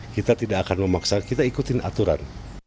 kita tidak akan memaksa kita ikutin aturan